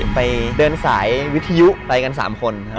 ไปเดินสายวิทยุไปกัน๓คน